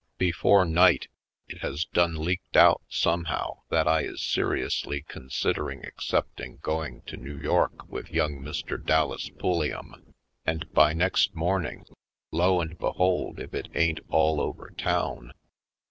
Before night it has done leaked out some how that I is seriously considering accept ing going to New York with young Mr. Dallas Pulliam; and by next morning, lo and behold, if it ain't all over town!